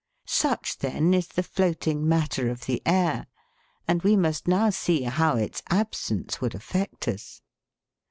oUCh, then, IS the floating matter of the air, and we must now see how its absence would affect us.